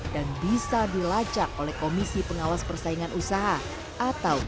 dan bisa dilacak oleh komisi pengawas persaingan usaha atau kppu